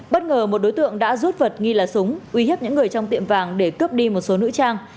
bất ngờ một đối tượng đã rút vật nghi là súng uy hiếp những người trong tiệm vàng để cướp đi một số nữ trang